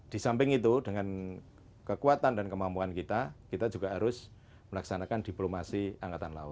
di samping itu dengan kekuatan dan kemampuan kita kita juga harus melaksanakan diplomasi angkatan laut